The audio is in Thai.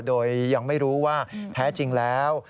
โดยยังไม่รู้ว่าแท้จริงแล้ว